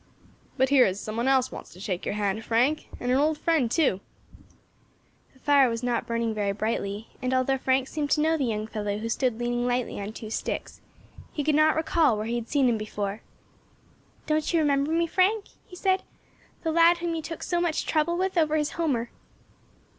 "But here is some one else wants to shake your hand, Frank, an old friend too." The fire was not burning very brightly, and although Frank seemed to know the young fellow who stood leaning lightly on two sticks, he could not recall where he had seen him before. "Don't you remember me, Frank," he said, "the lad whom you took so much trouble with over his Homer."